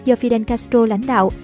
do fidel castro lãnh đạo